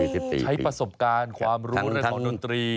ใช้ประสบการณ์ความรู้เรื่องของดนตรี